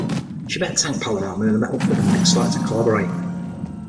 She met Tank Palamara in a metal club and they started to collaborate.